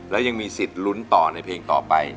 แล้วยังมีสิทธิ์ลุ้นต่อในเพลงต่อไป